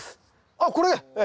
あっこれ！